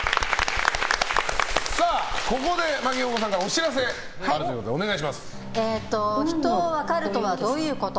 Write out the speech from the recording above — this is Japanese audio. ここで真木よう子さんからお知らせがあるということで人を分かるのはどういうこと？